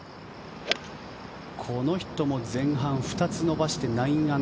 この人も前半２つ伸ばしてー９。